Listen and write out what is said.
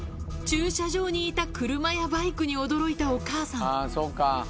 駐車場にいた車やバイクに驚いたお母さん。